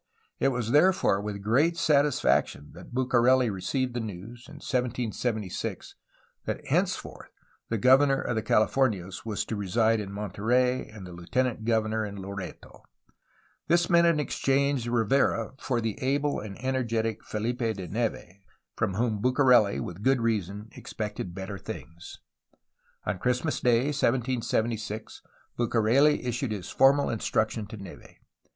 It was there fore with great satisfaction that Bucareli received the news, in 1776, that henceforth the governor of the Californias was to reside in Monterey and the lieutenant governor in Loreto. This meant an exchange of Rivera for the able and 292 A HISTORY OF CALIFORNIA energetic Felipe de Neve, from whom Bucareli, with good reason, expected better things. On Christmas Day 1776 Bucareli issued his formal instructions to Neve.